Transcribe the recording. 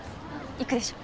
行くでしょ？